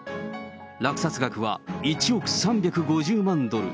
落札額は、１億３５０万ドル。